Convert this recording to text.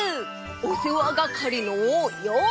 おせわがかりのようせい！